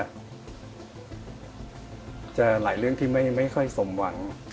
อกิ่นจะหลายเรื่องที่ไม่ค่อยสมหวัง